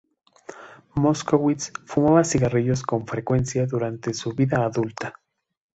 Moskowitz fumaba cigarrillos con frecuencia durante su vida adulta.